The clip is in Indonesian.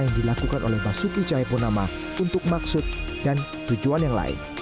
yang dilakukan oleh basuki cahayapunama untuk maksud dan tujuan yang lain